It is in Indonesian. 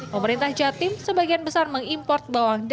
pemerintah jatim sebagian besar mengimport bawang